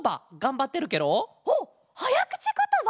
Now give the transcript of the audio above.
おっはやくちことば？